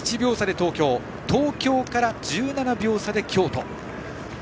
東京から１７秒差で京都。